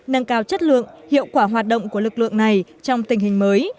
nâng cao chất lượng hiệu quả hoạt động của lực lượng này trong tình hình mới